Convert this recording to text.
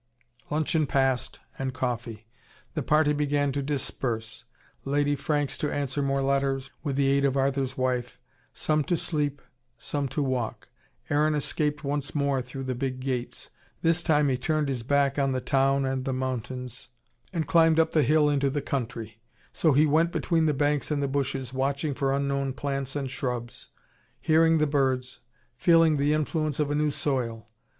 Luncheon passed, and coffee. The party began to disperse Lady Franks to answer more letters, with the aid of Arthur's wife some to sleep, some to walk. Aaron escaped once more through the big gates. This time he turned his back on the town and the mountains, and climbed up the hill into the country. So he went between the banks and the bushes, watching for unknown plants and shrubs, hearing the birds, feeling the influence of a new soil.